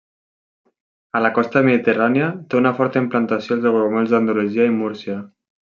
A la costa mediterrània té una forta implantació als aiguamolls d'Andalusia i Múrcia.